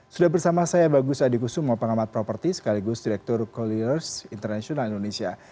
sudah bersama saya bagus adikusum pengamat properti sekaligus direktur colliers international indonesia